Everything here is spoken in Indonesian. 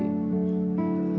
saya mau pergi ke rumah